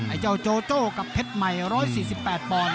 เจ้าโจโจ้กับเพชรใหม่๑๔๘ปอนด